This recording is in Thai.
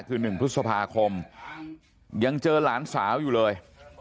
คือ๑พฤษภาคมยังเจอหลานสาวอยู่เลย